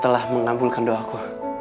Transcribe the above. kau telah mengabulkan doaku